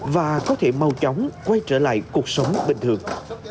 và có thể mau chóng quay trở lại cuộc sống bình thường